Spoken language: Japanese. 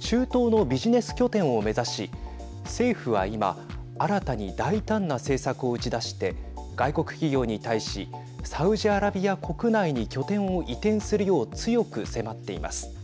中東のビジネス拠点を目指し政府は今新たに大胆な政策を打ち出して外国企業に対しサウジアラビア国内に拠点を移転するよう強く迫っています。